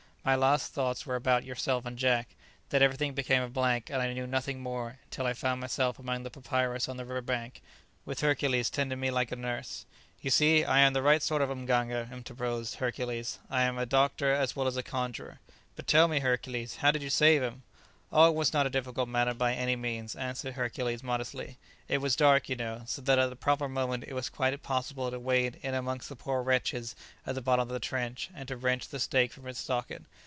My last thoughts were about yourself and Jack. Then everything became a blank, and I knew nothing more until I found myself amongst the papyrus on the river bank, with Hercules tending me like a nurse." "You see I am the right sort of mganga" interposed Hercules; "I am a doctor as well as a conjurer." "But tell me, Hercules, how did you save him?" "Oh, it was not a difficult matter by any means," answered Hercules modestly; "it was dark, you know, so that at the proper moment it was quite possible to wade in amongst the poor wretches at the bottom of the trench, and to wrench the stake from its socket.